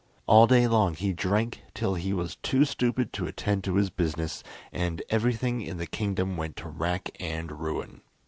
All day long he drank till he was too stupid to attend to his business, and everything in the kingdom went to rack and ruin.